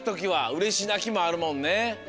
うれしなきもあるもんね。